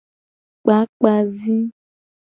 Kpakpa zi.